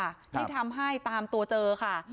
ที่ทำให้ตามตัวเจอค่ะ